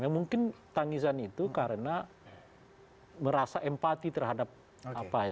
mungkin tangisan itu karena merasa empati terhadap apa ya